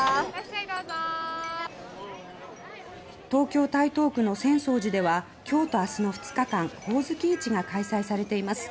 東京・台東区の浅草寺では今日と明日の２日間ほおずき市が開催されています。